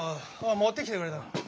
持ってきてくれたの。